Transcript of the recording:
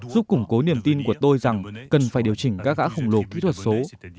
giúp củng cố niềm tin của tôi rằng cần phải điều chỉnh các gã khổng lồ kỹ thuật số